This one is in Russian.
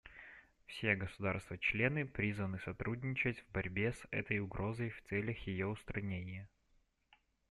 Все государства-члены призваны сотрудничать в борьбе с этой угрозой в целях ее устранения.